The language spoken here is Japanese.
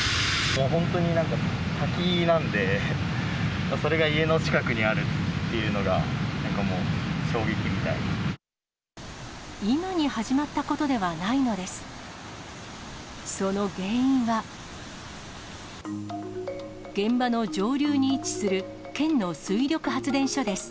本当になんか滝なんで、それが家の近くにあるっていうのが、今に始まったことではないのです。